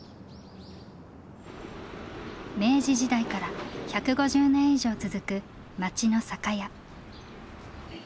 明治時代から１５０年以上続く町の酒屋。